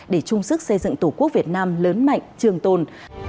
để chung sức xây dựng tổ quốc việt nam lớn mạnh trường tồn